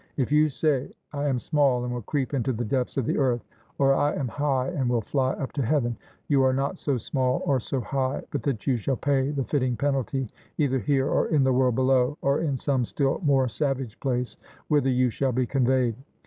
If you say: I am small and will creep into the depths of the earth, or I am high and will fly up to heaven, you are not so small or so high but that you shall pay the fitting penalty, either here or in the world below or in some still more savage place whither you shall be conveyed.